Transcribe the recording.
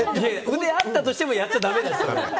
腕あったとしてもやっちゃだめだよ。